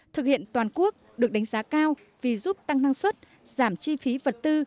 thực hiện toàn quốc được đánh giá cao vì giúp tăng năng suất giảm chi phí vật tư